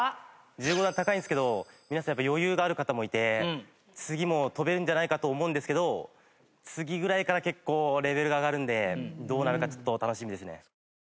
１５段高いんですけど皆さんやっぱり余裕がある方もいて次も跳べるんじゃないかと思うんですけど次ぐらいから結構レベルが上がるんでどうなるかちょっと楽しみですね。